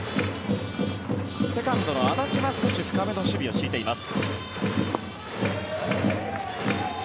セカンドの安達は少し深めの守備を敷いています。